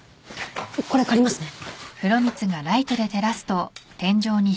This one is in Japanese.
これ借りますね。